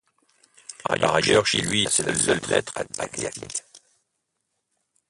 Par ailleurs, chez lui c’est la seule lettre à diacritique.